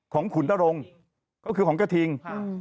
ขุนนรงค์ก็คือของกระทิง